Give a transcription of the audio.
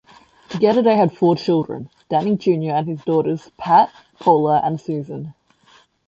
Together they had four children: Danny Junior and daughters Pat, Paula and Susan.